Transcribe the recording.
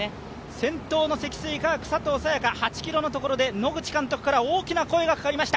先頭の積水化学、佐藤早也伽、８ｋｍのところで野口監督から大きな声がかかりました。